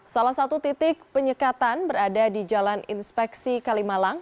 salah satu titik penyekatan berada di jalan inspeksi kalimalang